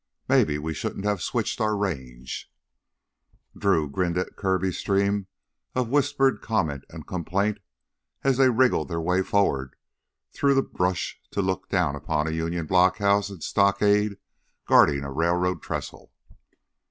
Maybe we shouldn't have switched our range " Drew grinned at Kirby's stream of whispered comment and complaint as they wriggled their way forward through brush to look down on a Union blockhouse and stockade guarding a railroad trestle.